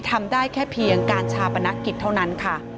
ทำได้แค่เพียงการชาปนกิจเท่านั้นค่ะ